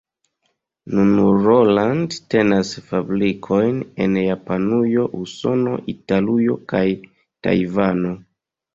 Nun Roland tenas fabrikojn en Japanujo, Usono, Italujo kaj Tajvano.